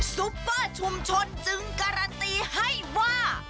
ซุปเปอร์ชุมชนจึงการันตีให้ว่า